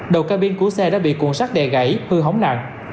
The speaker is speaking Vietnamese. đầu cao biên của xe đã bị cuộn sắt đè gãy hư hóng nặng